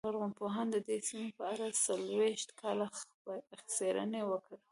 لرغونپوهانو د دې سیمې په اړه څلوېښت کاله څېړنه وکړه